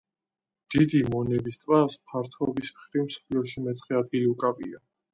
დიდი მონების ტბას ფართობის მხრივ მსოფლიოში მეცხრე ადგილი უკავია.